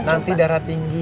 nanti darah tinggi